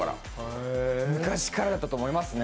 昔からだったと思いますね。